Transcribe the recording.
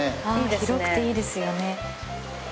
広くていいですよね。